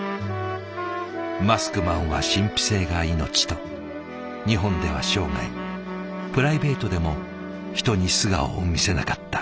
「マスクマンは神秘性が命」と日本では生涯プライベートでも人に素顔を見せなかった。